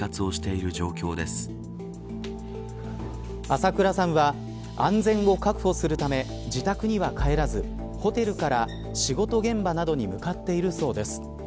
朝倉さんは安全を確保するため自宅には帰らずホテルから仕事現場などに向かっているそうです。